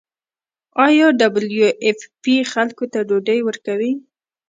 آیا ډبلیو ایف پی خلکو ته ډوډۍ ورکوي؟